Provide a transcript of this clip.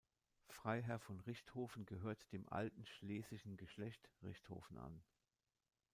Freiherr von Richthofen gehört dem alten schlesischen Geschlecht Richthofen an.